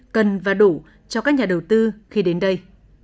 cần và đủ cho các nhà đầu tư khi đến đây